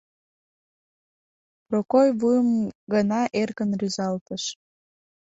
Прокой вуйым гына эркын рӱзалтыш.